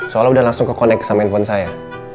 soalnya udah langsung kekonek sama handphone saya